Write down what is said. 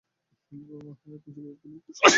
ওহ, আহহ, এখানে সিগারেট খেলে সমস্যা আছে?